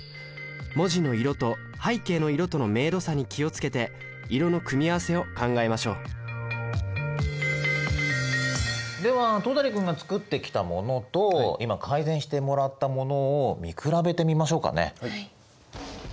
文字の色と背景の色との明度差に気を付けて色の組み合わせを考えましょうでは戸谷君が作ってきたものと今改善してもらったものを見比べてみましょうかね。